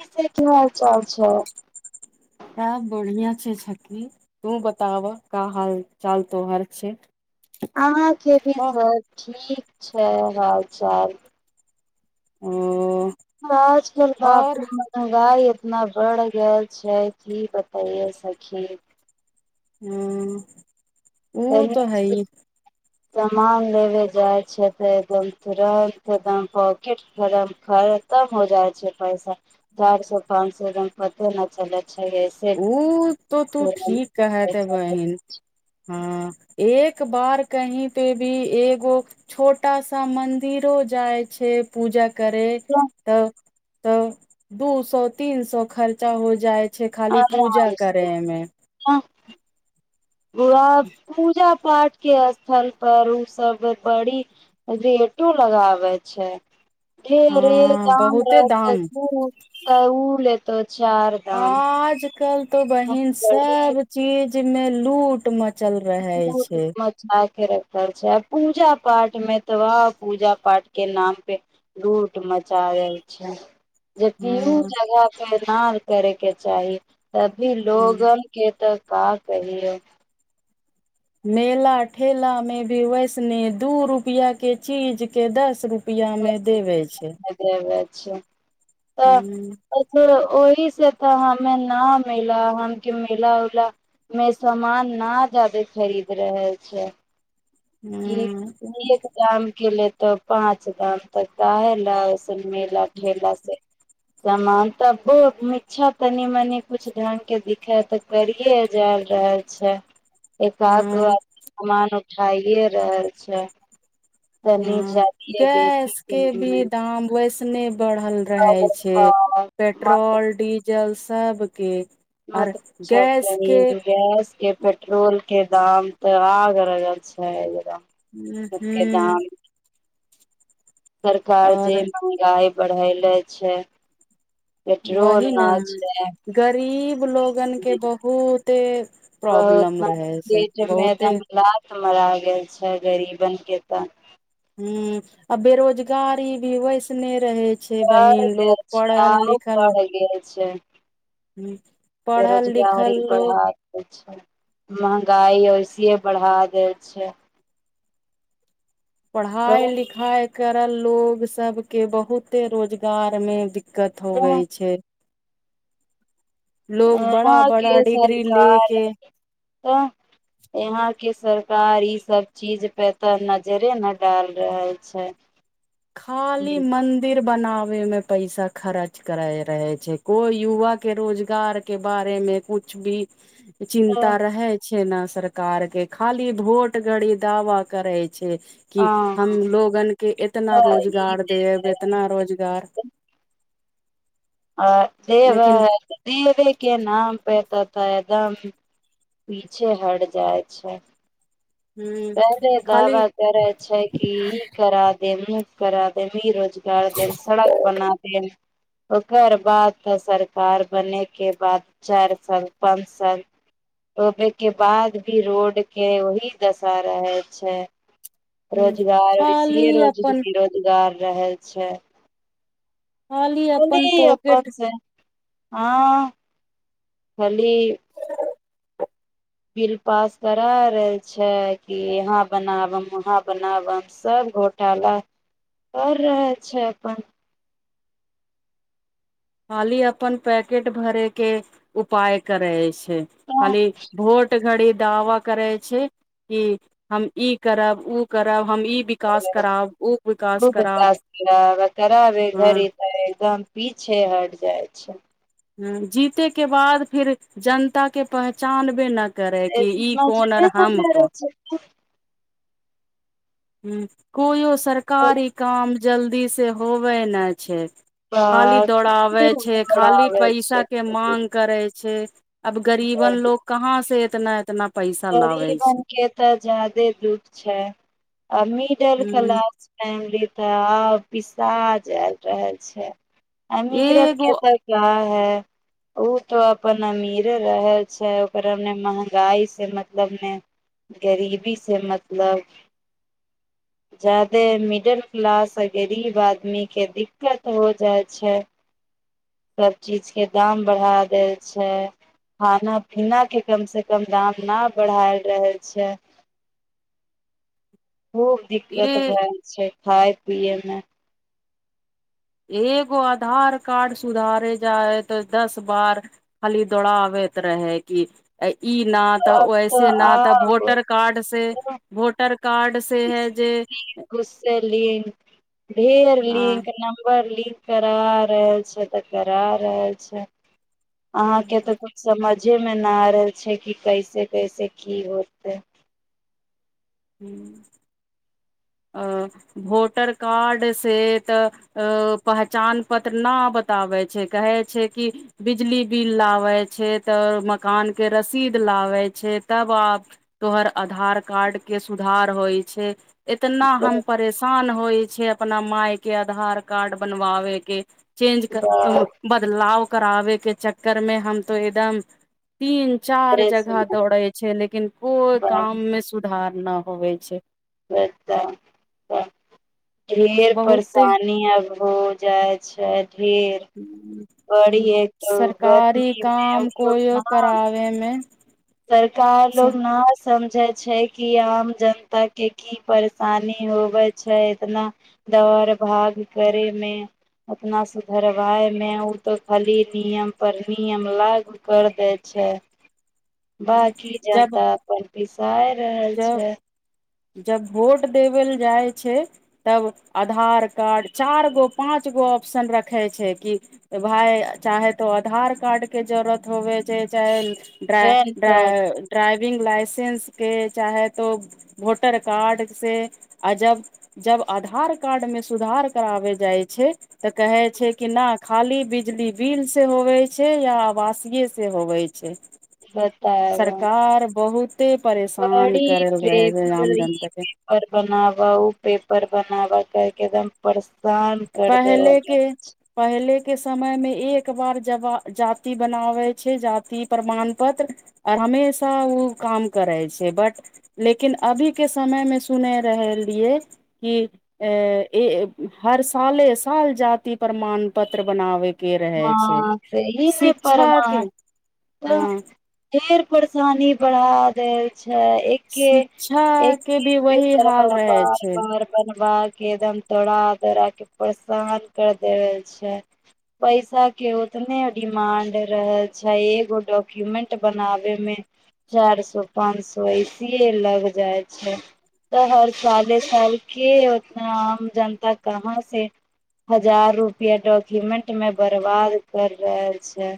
ई से की हाल चाल छै सब बढ़िया छै छकी तू बताबह का हाल चाल तोहर छै अहाँके भी अ सब ठीक छै हालचाल ओ [inaudible] और ह मंहगाइ इतना बढ़ गेल छै की बतयए सखी हँ [inaudible] सामान लेबे जाय छैे त ए गो फरक के दाम तम हो जाइ छै पैसा चार सौ पाच सौ पते न चले छै ओ तो तू तुरंत ठीक कहते पैसा बहिन हँ एक बार कही पे भी एगो छोटा सा मंदिरो जाय छै पूजा करे ह तऽ तऽ दू सउतिन स खर्चा हो जाइ छै आ खाली पूजा करे मे ह अआ पूजा पाठ के स्थल पर उ सब बड़ी रेटो लगाबे छै एब रे हँ काम बहुते रह दाम तू तऽ उ लेत चार दाम आजकल तो बहिन बड़ी सब चीज मे लूट मच [inaudible] रखल छै पूजा पाठ मे तऽ वह पूजा पाठ के नाम पे लूट मचायल छै जेकि उ हँ जगह पे नाल करेके चाही तभी लोग हँ के तऽ का कहिय मेला ठेलामे भी वैष्णव दू रुपैआके चीजके दस रुप पिआ में देबे छै ए ब छै हू अछ ओहि से तऽ हमे ना मिल हमके मेला उला में सामान न जादे खरीद रहल छै की हूँ की एक काम कल तऽ पाँच दाम तक काहे ला एइसन मेला ठेला से सामान तबो नीछा तनी मनि कुछ ढंग के दिखे त करिय जा रहल छै एकागो हँ सामान उठाये रहल छै तनी हँ जादे बेसी गैस के भी दाम वैसने बढ़ल रहै छै पेट्रोल डीजल सबके मत आर पूछअ गैस के बहिन गैस के पेट रल ट्रोल के दाम तऽ अगरगल छै एकदम हूँ सबके हूँ दाम सरकार और जे महंगाई बढ़ैले छै पेट्रोल वही ने न छै गरीब लोगन के बहुते प्रॉब्लम बहुतना रहै छै पेट मे बहुते त लत मरा गेल छै गरीबनक के तऽ ह आ बेरोजगारी भी वैसने रहै छै [inaudible] बहिन लोग पढ़ल लिखल पढ़ल बेरोजगारी लिखल पर लोग हा अच्छ महँगाई ऐसे बढ़ा दे छै पढ़ाई लिखाई करल लोग सब के बहुते रोजगार में दिक कत होबई छै लोग बड़ा अंह बड़ा के डिग्री ले सरकार के त यहां के सरकार इ सब चीज पे ते नजरें न डाल रहल छै खाली मन्दर दिर बनावे में पैसा खर्च करे रहे छै कोई युवा के रोजगार के बारे मे कुछ भी चिन्ता तऽ रहै छै न सरकार के खाली भोट घड़ी दावा करै छै कि हँ हम लोगन के इतना तऽ ई रोजगार दे इतना रोजगार दर [inaudible] देवे के नाम पे तथ एदम पीछे हट जाय छै ह पहिले खाली दावा करै छै कि ई करा दे मु करा दे रोज करत सड़क बनातेन ओकर बाद त सरकार बने के बाद चार साल पाँच साल रोपे के बाद भी रोड के वहि दस सा रहै छै अच्छा ह ह रोजगार खाली इसलियए रोज र अपन गार रहल छै खाली अपन अपन पॉकेट से हँ खली बिल पास करा रहल छै कि यहा बनाबम वहाँ बनाबम सब गो पैला कर रहे छै अपन खाली अपन पैकेट भरे के उपाय करै छै खूब खाली भोट घड़ी दावा करै छै कि हम ई करब ओ करब हम ई [inaudible] विकास ए कराब उ विकास कराब हँ दम पीछे हट जाइ छै हं जीते के बाद फिर जनता के पहचानबे न करै की ई कोनर ह हम कोन हँ ह कोयो सरकारी काम जल्दीसँ होबै नहि छै खाली दौड़ाबे खूब छै खाली दौड़ाबै पैसा के छै मान करे छै अब गरीबन गरी- लोग कहाँ से एतना एतना गरीबन के तऽ ज्यादे दुःख छै मिडल ह क्लास फैमिली तऽ पिसा जैल रहल छै अमीरन एगो केतअ है ओ तो अपन अमीरे रह छै ओकर हमने महंगाई से मतलब ने गरीबी से मतलब [inaudible] जादे मिडल क्लास गरीब आदमी के दिक्कत हो जाय छै ह [inaudible] सब चीज के दाम बढ़ा देल छै खाना पीना के कम से कम दाम ना बढ़ाय रहल छै खूब दिक्कत ए भए छै खाय पियए मे एगो आधार कार्ड सुधारे जाइ तऽ दस बार खाली दौड़ाबैत रहै कि अ ई न तऽ आब वैसे ना तऽ आब वोटर कार्ड से वोटर कार्ड से इस है जे लिंक उस से लिंक ढेर ह लिंक नम्बर लिंक करा रहल छै तऽ करा रहल छै अहाँके तऽ समझे में न आ रहले छै कि कैसे कैसे की होतइ हूँ अ भोटर कार्ड से तऽ अ पहचान पत्र न बताबै छै कहै छै कि बिजली बिल लाबै छै तऽ मकान के रसीद लाबै छै तब आब तोहर आधार कार्ड के सुधार होइ छै इतना हम परेशान होइ छ अपना माय के आधार कार्ड बनवाबे के चेंज बाप बदलाव कराबे के चक्कर मे हम तो एकदम तीन चार रे जगह दौड़े छै लेकिन कोई काम बाप मे सुधार न होवे छै [inaudible] ढेर बहुते परेशानी अब हो जाय छै ढेर हू बड़ी ह एक तो सरकारी गर्मी मे उ काम लोग कोइओ न कराबयमे सरकार लो ह समझे छै कि आम जनता के की परेशानी होवे छै इतना दौड़ भाग करेमे अपना सुधरवाय मे उ त खाली नियम पर नियम लाग कर दै छै बाकी जब जनता अपन पिसाय रहल जब छै जब भोट देब ल जाए छै तब आधार कार्ड चार गो पाँच गो ऑप्शन रखै छै कि त भाय चाहे तो आधार कार्ड के जरूरत होवे छै चाहे पैन कार्ड ड्राइविंग लाइसेंस के चाहे तो वोटर कार्ड से अजब जब आधार कार्ड मे सुधार कराबै जाय छै तऽ कहै छै कि न खाली बिजली बिल से होवे छै या आवासीय से होवे छै बतायब सरकार बहुते परेशान बड़ी करल रहे छै ई पेपर पेपर बनावऽ ओ पेपर बनावऽ कके एकदम परेशान कर देबेल पहिले के समय मे एक बार जव जाति बनाबै छै जाति प्रमाण पत्र आओर हमेशा ओ काम करै छै बट लेकिन अभी के समय मे सुने रहल रहियै कि अ हर साले साल जाति प्रमाण पत्र बनाबे के ह रहे छै सेरी न शिक्षा पारबा के हँ ढेर परेशानी बढ़ा देल छै एक एक शिक्षा के एके भी वही पेपर हाल रहे बराबर छै बर बनवा के एकदम दौड़ा दौड़ा के परेशान कर देबै छै पैसा के उतने डिमांड रहल छै एगो डॉक्यूमेंट बनाबे मे चार सो पांच सए एसेही लग जाय छै तऽ हर साले सालके उतना आम जनता कहाँ से हजार रुपआ डॉक्यूमेंट मे बर्बाद कर रहल छै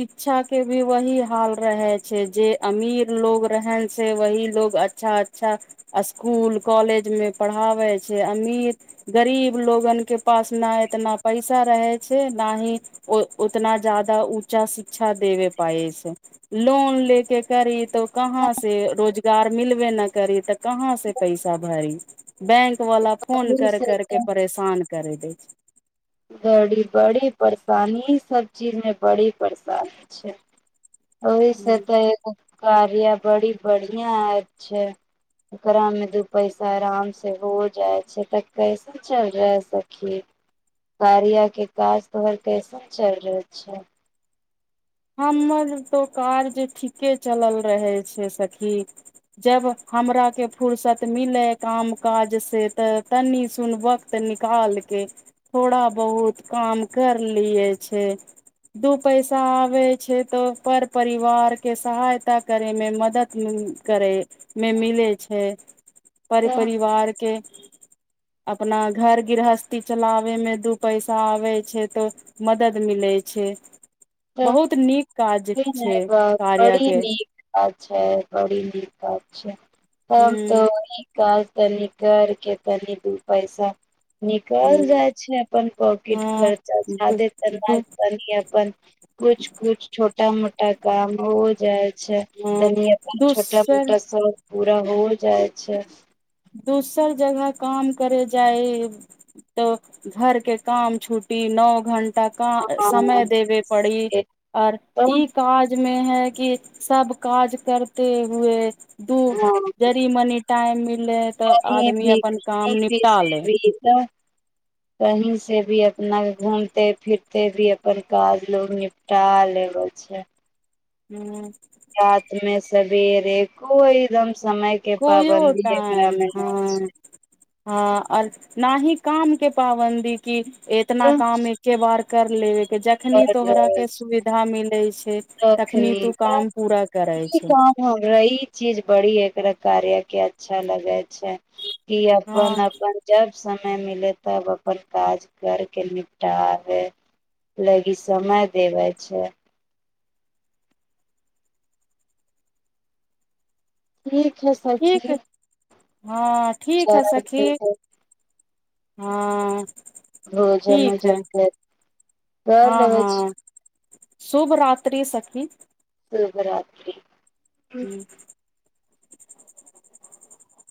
शिक्षा के भी वही हाल रहे छै जे अमीर लोग रहन से वही लोग अच्छा अच्छा स्कुल कॉलेज में पढ़ाबे छै अमीर गरीब लोगन के पास ने इतना पैसा रहै छै ना ही ओ उतना जादा ऊँचा शिक्षा देवे पायै छै लोन लेके करी तो कहाँ से रोजगार मिलबे न करी तऽ कहाँ से पैसा भरी बैंक वाला फोन कर से कर के एकदम परेशान करैत अछि छ बड़ी बड़ी परेशानी ई सब चीज मे बड़ी परेशानी छै ओहि से छै तऽ एगो कार्य बड़ी बढ़िया एप छै ओकरा में दू पैसा आराम से हो जाय छै तऽ कैसा क चल रहैऐ स खी कार्या के काज तोहर कैसन चल रहल छ हमर तो कार्ज ठीके चलल रहै छै सखी जब हमराके फुुरसत मिलै काम काज से तऽ तनि सुनब तऽ निकालके थोड़ा बहुत काम कर लियै छै दू पैसा छै तऽ पर परिवार के सहायता करे मे मदद करे मे मिलै छै पर तऽ परिवारके अपना घर गृहस्थी चलाबैमे दू पैसा आबै छै तऽ मदद मिलै छै बहुत नीक काज छै कार्या बड़ी के नीक अच्छा बड़ी नीक अच्छा तम हूँ तो कॉल तनी कर के तनी दू पैसा हूँ निकल जाय छै अपन पॉकेट हँ खर्चा दू जादे तऽ ने दू तनि अपन कुछ कुछ छोटा मोटा काम हो जाय छै तनी अपन छोटा दोसर मोटा शौक पूरा हो जाय छै दोसर जगह काम करे जाइयब तऽ घर के काम छुटी नओ घंटा हाँ समय देबे पड़ी आर एकदम ई काज में हय कि सब काज करते हुए दू हाँ जड़ी मनी टाइम मिललै तऽ आदमी अपन काम निपटाले कि तऽ कहीं से भी अपना घूमते फिरते भी अपन काज लोग निप टा लेब छै हू रात मे सबेरे कोई एकदम समय के कोइयो पाबन्दी टाइम एकरा मे न हँ हँ ओर नाही काम के पाबन्दी की एतना छै। काम म के बार कर लेबे के जखनी तोहराक के सुविधा मिलै छै तखनी तू काम पूरा करै ई छै काम हमरा ई चीज बड़ी एकरा कार्य के अच्छा लगै छै की हँ अपन अपन जब समय मिले तब अपन काज करके निपटाबे लगी समय देवे छै ठीक है ठीक सखी हँ ठीक हय चल सखी हँ भोजन ठीक है उजन कर हँ लेबे हँ छी शुभ रात्रि सखी शुभरात्रि हूँ